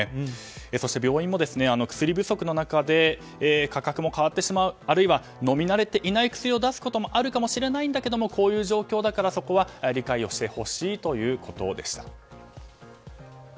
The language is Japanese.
そして病院も薬不足の中で価格も変わってしまうあるいは飲み慣れていない薬を出すこともあるかもしれないけどこういう状況だからそこは理解をしてほしいということでした。